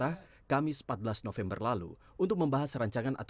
aturan perhubungan darat